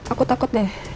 aku takut deh